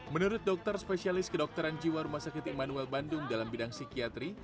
menurut dokter spesialis kedokteran jiwa rumah sakit immanuel bandung dalam bidang psikiatri